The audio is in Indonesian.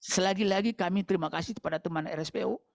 selagi lagi kami terima kasih kepada teman rspo